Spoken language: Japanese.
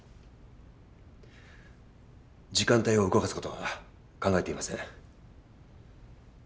時間帯を動かすことは考えていません。